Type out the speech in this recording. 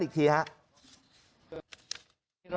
อีกทางอีกทีครับ